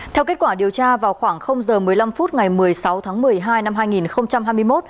theo kết quả điều tra vào khoảng giờ một mươi năm phút ngày một mươi sáu tháng một mươi hai năm hai nghìn hai mươi một